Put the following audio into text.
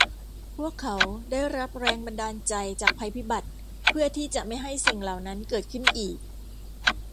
พวกเขาได้รับแรงบันดาลใจจากภัยพิบัติเพื่อที่จะไม่ให้สิ่งเหล่านั้นเกิดขึ้นอีก